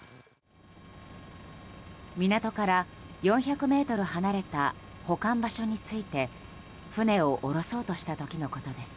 港から４００ｍ離れた保管場所に着いて船を下ろそうとした時のことです。